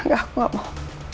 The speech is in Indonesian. gak aku gak mau